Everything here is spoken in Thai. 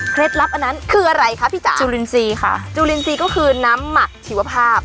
ลับอันนั้นคืออะไรคะพี่จ๋าจุลินทรีย์ค่ะจุลินทรีย์ก็คือน้ำหมักชีวภาพ